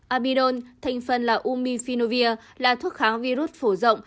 abidon thành phần là umifinovir là thuốc kháng virus phổ rộng